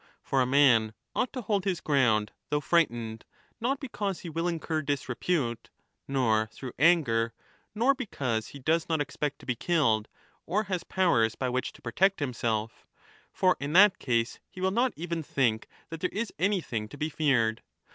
For a man ought to hold his ground though frightened, not because he will incur 25 disrepute, nor through anger, nor because he does not expect to be killed or has powers by which to protect himself; for in that case he will not even think that there is anything to be feared.